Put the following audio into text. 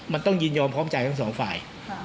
มันต้องยินยอมพร้อมใจทั้งสองฝ่าย